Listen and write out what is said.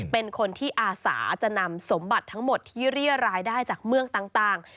เป็นคนที่อาสาจะนำสมบัติทั้งหมดที่เรียรายได้จากเมืองต่าง